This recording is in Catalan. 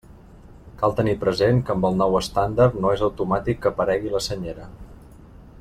Cal tenir present que amb el nou estàndard no és automàtic que aparegui la Senyera.